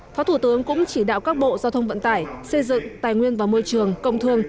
phó thủ tướng cũng chỉ đạo các bộ giao thông vận tải xây dựng tài nguyên và môi trường công thương